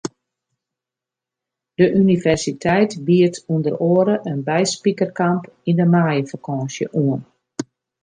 De universiteit biedt ûnder oare in byspikerkamp yn de maaiefakânsje oan.